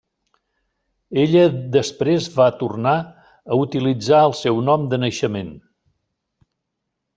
Ella després va tornar a utilitzar el seu nom de naixement.